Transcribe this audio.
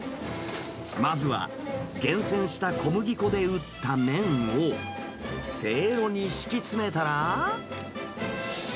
まずは、厳選した小麦粉で打った麺を、せいろに敷き詰めたら。